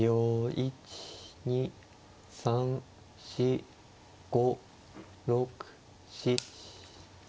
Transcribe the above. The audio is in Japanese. １２３４５６７。